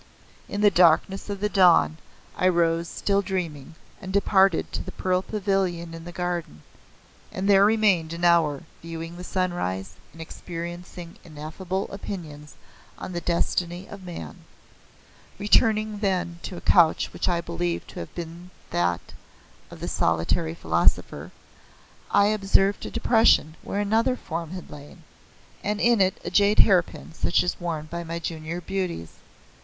In the darkness of the dawn I rose still dreaming, and departed to the Pearl Pavilion in the garden, and there remained an hour viewing the sunrise and experiencing ineffable opinions on the destiny of man. Returning then to a couch which I believed to have been that of the solitary philosopher I observed a depression where another form had lain, and in it a jade hairpin such as is worn by my junior beauties.